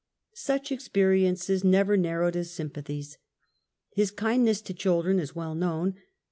Such experiences never narrowed his sympathies. His kind ness to children is well known.